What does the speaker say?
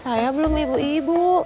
saya belum ibu